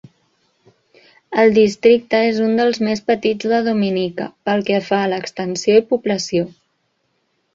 El districte és un dels més petits de Dominica pel que fa a l'extensió i població.